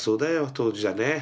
当時じゃね。